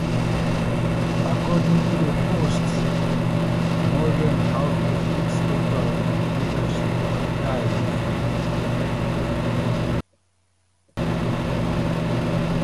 According to the "Post", more than half of its total readership are Thai nationals.